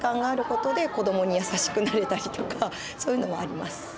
そういうのはあります。